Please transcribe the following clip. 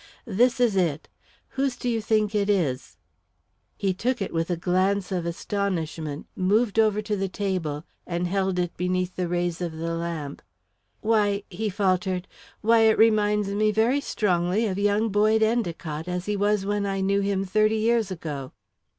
This is it whose do you think it is?" He took it with a glance of astonishment, moved over to the table, and held it beneath the rays of the lamp. "Why," he faltered, "why it reminds me very strongly of young Boyd Endicott, as he was when I knew him, thirty years ago."